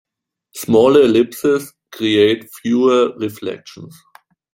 Smaller ellipses create fewer reflections.